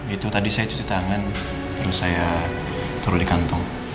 itu tadi saya cuci tangan terus saya taruh di kantong